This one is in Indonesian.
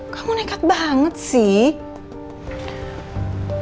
kamu nekat banget sih